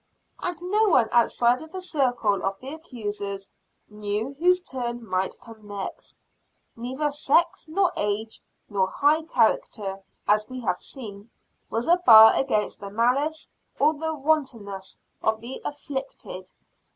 And no one outside of the circle of the accusers knew whose turn might come next. Neither sex, nor age, nor high character, as we have seen, was a bar against the malice, or the wantonness of the "afflicted."